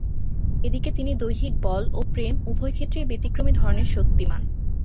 এদিকে তিনি দৈহিক বল ও প্রেম উভয়ক্ষেত্রেই ব্যতিক্রমী ধরনের শক্তিমান।